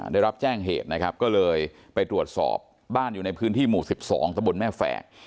ได้รับแจ้งเหตุนะครับก็เลยไปตรวจสอบบ้านอยู่ในพื้นที่หมู่๑๒ตะบนแม่แฝก